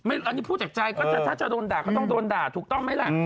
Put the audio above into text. อันนี้พูดจากใจก็ถ้าจะโดนด่าก็ต้องโดนด่าถูกต้องไหมล่ะ